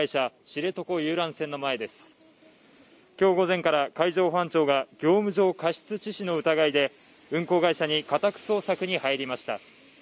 知床遊覧船の前です今日午前から海上保安庁が業務上過失致死の疑いで運航会社に家宅捜索に入りました